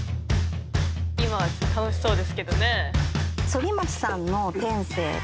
今は楽しそうですけどね。